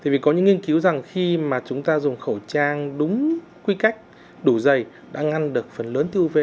vì có những nghiên cứu rằng khi mà chúng ta dùng khẩu trang đúng quy cách đủ dày đã ngăn được phần lớn tiêu uv